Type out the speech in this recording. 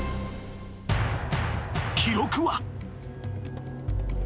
［記録は］